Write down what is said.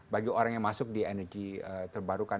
bagi orang yang masuk di energi terbarukan